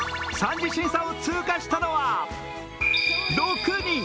３次審査を通過したのは６人。